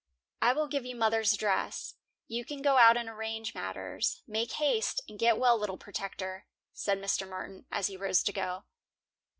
"I will give you mother's address. You can go out and arrange matters. Make haste and get well little protector," said Mr. Martin, as he rose to go.